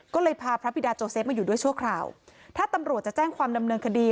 ก็เลยพาพระบิดาโจเซฟมาอยู่ด้วยชั่วคราวถ้าตำรวจจะแจ้งความดำเนินคดี